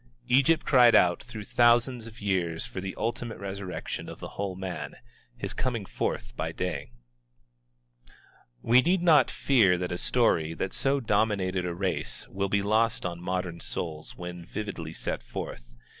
Egypt cried out through thousands of years for the ultimate resurrection of the whole man, his coming forth by day. We need not fear that a story that so dominated a race will be lost on modern souls when vividly set forth.